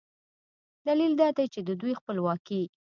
دلیل دا دی چې د دوی خپلواکي